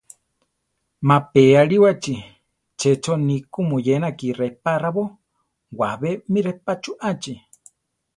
Ma pe aríwachi, checho ni ku moyénaki repá raábo, wabé mi repá chuʼachi.